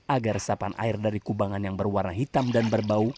agar resapan air dari kubangan yang berwarna hitam dan berbau